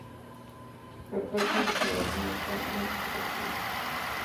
Se cree que su población está en declive.